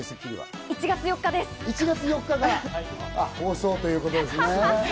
１月４日から放送ということですね。